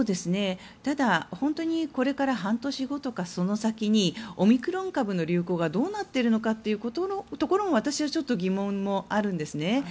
ただ、本当にこれから半年後とかその先にオミクロン株の流行がどうなっているかというところも私はちょっと疑問もあるんですね。